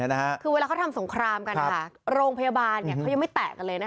คือเวลาเขาทำสงครามกันโรงพยาบาลเขายังไม่แตะกันเลยนะคะ